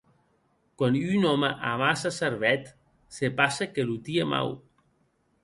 Quan un òme a massa cervèth se passe que lo tie mau.